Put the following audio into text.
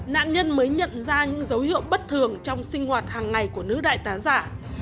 nạn nhân mới nhận ra những dấu hiệu bất thường trong sinh hoạt hàng ngày của nữ đại tá giả